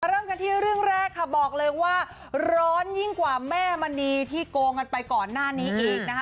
เริ่มกันที่เรื่องแรกค่ะบอกเลยว่าร้อนยิ่งกว่าแม่มณีที่โกงกันไปก่อนหน้านี้อีกนะคะ